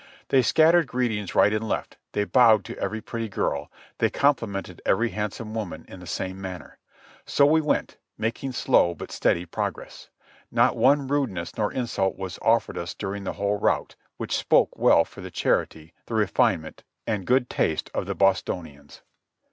They scattered greetings right and left, they bowed to every pretty girl, they complimented every handsome woman in the same manner. So we went, making slow but steady progress. Not one rudeness nor insult was offered us during the whole route, which spoke well for the charity, the refinement and good taste of the Bostonians.